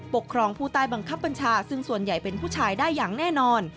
ปกครองผู้ใต้บังคับบัญชาซึ่งส่วนใหญ่เป็นผู้ชายได้อย่างแน่นอน